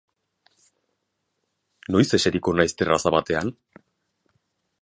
Noiz eseriko naiz terraza batean?